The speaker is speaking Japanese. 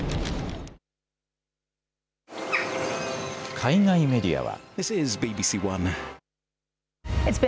海外メディアは。